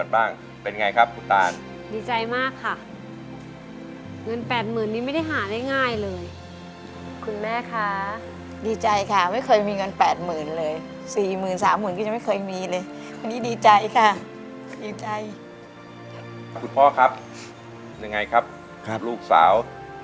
ถ้าพร้อมได้กินทรัลเพลงที่๖มูลค่านึกแสนนีบาท